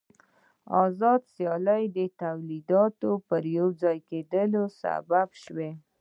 آزاده سیالي د تولیداتو د یوځای کېدو سبب شوه